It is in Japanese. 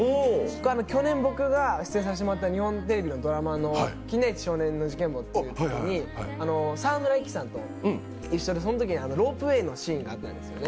去年、僕が出演させてもらった日本テレビの「金田一少年の事件簿」っていうのに沢村一樹さんと一緒でロープウエーのシーンがあったんですね。